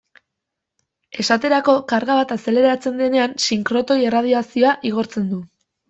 Esaterako, karga bat azeleratzen denean, sinkrotroi-erradiazioa igortzen du.